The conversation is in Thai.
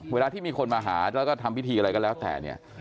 เวลาที่มีคนมาหาแล้วก็ทำพิธีอะไรก็แล้วแต่เนี่ย